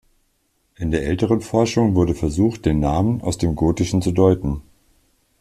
In der älteren Forschung wurde versucht den Namen aus dem Gotischen zu deuten.